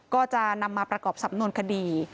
ก็จะนำมาประกอบสำนวนคดี